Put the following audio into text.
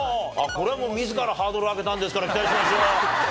これはもう自らハードル上げたんですから期待しましょう。